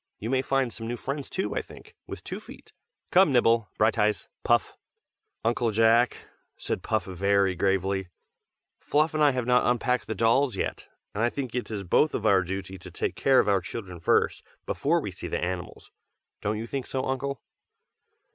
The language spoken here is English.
You may find some new friends too, I think, with two feet. Come Nibble, Brighteyes, Puff " "Uncle Jack," said Puff, very gravely; "Fluff and I have not unpacked the dolls yet, and I think it is both of our duty to take care of our children first, before we see the animals. Don't you think so, Uncle?"